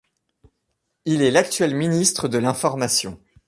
Il est l'actuel ministre de l'Information.